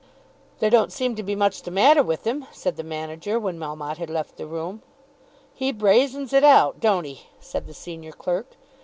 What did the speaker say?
"There don't seem much the matter with him," said the manager, when Melmotte had left the room. "He brazens it out, don't he?" said the senior clerk.